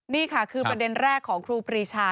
นี่ค่ะคือประเด็นแรกของครูปรีชา